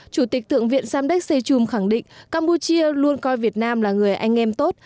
chủ tịch thượng viện samdek sechum khẳng định campuchia luôn coi việt nam là người anh em tốt